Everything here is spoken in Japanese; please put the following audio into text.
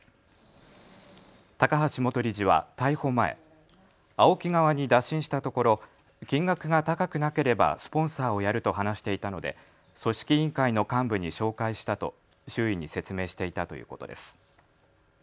高橋元理事は逮捕前、ＡＯＫＩ側に打診したところ金額が高くなければスポンサーをやると話していたので組織委員会の幹部に紹介したと周囲に説明していたということです。